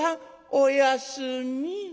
おやすみ。